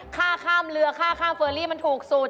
ข้าข้ามเรือข้าข้ามเฟอร์รี่มันถูกสูตร